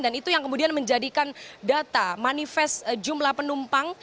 dan itu yang kemudian menjadikan data manifest jumlah penumpang